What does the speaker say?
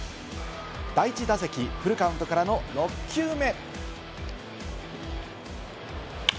第１打席、フルカウントからの６球目。